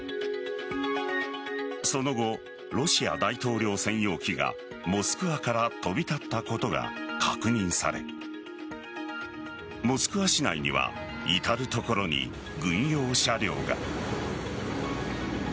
その後、ロシア大統領専用機がモスクワから飛び立ったことが確認されモスクワ市内には至る所に軍用車両が。